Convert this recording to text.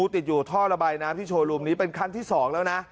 ติดอยู่ท่อระบายน้ำที่โชว์รูมนี้เป็นครั้งที่๒แล้วนะ